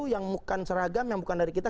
yang bukan seragam yang bukan dari kita